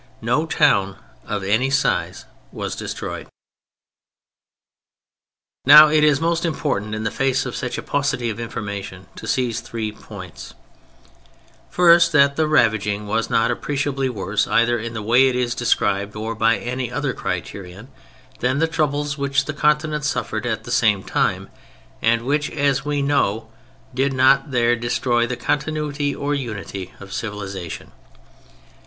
No town of any size was destroyed. Now it is most important in the face of such a paucity of information to seize three points: First, that the ravaging was not appreciably worse, either in the way it is described or by any other criterion, than the troubles which the Continent suffered at the same time and which (as we know) did not there destroy the continuity or unity of civilization.